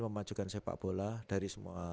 memajukan sepak bola dari semua